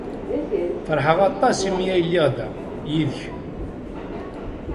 Feṛḥeɣ aṭas imi ay lliɣ da, yid-k.